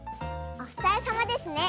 おふたりさまですね。